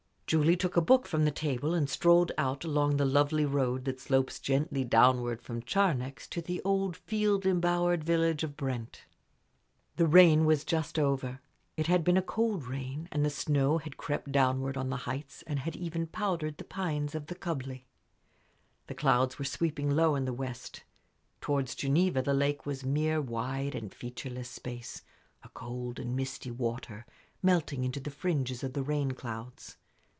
Julie took a book from the table and strolled out along the lovely road that slopes gently downward from Charnex to the old field embowered village of Brent. The rain was just over. It had been a cold rain, and the snow had crept downward on the heights, and had even powdered the pines of the Cubly. The clouds were sweeping low in the west. Towards Geneva the lake was mere wide and featureless space a cold and misty water, melting into the fringes of the rain clouds.